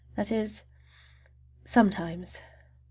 That is, sometimes!